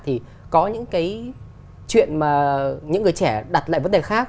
thì có những cái chuyện mà những người trẻ đặt lại vấn đề khác